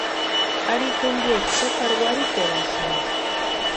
Ari tumpiecha jukari warhiperasïnti.